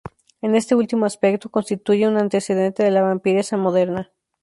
En este último aspecto, constituye un antecedente de la vampiresa moderna.